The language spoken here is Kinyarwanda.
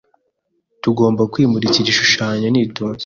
Tugomba kwimura iki gishushanyo nitonze.